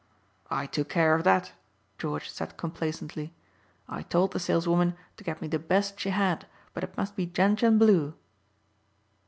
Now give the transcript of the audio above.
"I took care of that," George said complacently. "I told the saleswoman to get me the best she had but it must be gentian blue."